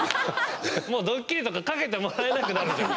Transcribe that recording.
もうドッキリとかかけてもらえなくなる。